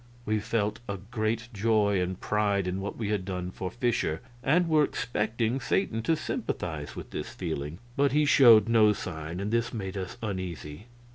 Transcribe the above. We felt a great joy and pride in what we had done for Fischer, and were expecting Satan to sympathize with this feeling; but he showed no sign and this made us uneasy.